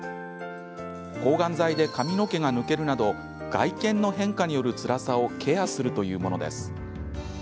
抗がん剤で髪の毛が抜けるなど外見の変化によるつらさをケアするというものです。